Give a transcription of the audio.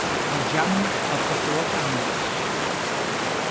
THE GEM OF THE FOUR FAMILIES.